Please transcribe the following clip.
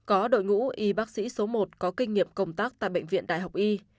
có đội ngũ y bác sĩ số một có kinh nghiệm công tác tại bệnh viện đại học y